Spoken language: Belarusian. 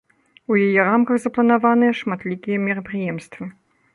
У яе рамках запланаваныя шматлікія мерапрыемствы.